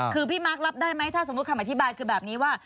คือพี่มาร์ครับได้ไหมถ้าสมมุติคำอธิบายคือแบบนี้ว่า